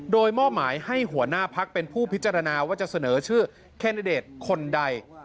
โดยหม้อหมายให้หัวหน้าพักษ์เป็นผู้พิจารณาว่าจะเสนอชื่อคันแดดเพื่อทายคนใด